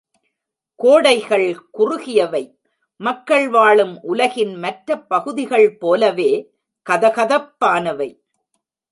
கோடைகள் குறுகியவை மக்கள் வாழும் உலகின் மற்றப் பகுதிகள் போலவே கதகதப்பானவை.